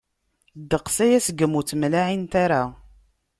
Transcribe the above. Ddeqs aya segmi ur ttemlaɛint ara.